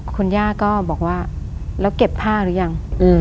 คุณย่าก็บอกว่าแล้วเก็บผ้าหรือยัง